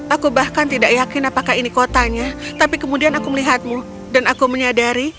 aku bahkan tidak yakin apakah ini kotanya tapi kemudian aku melihatmu dan aku menyadari